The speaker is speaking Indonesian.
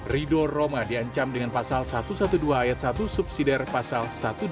rido roma diancam dengan pasal satu ratus dua belas ayat satu subsidi pasal satu ratus dua puluh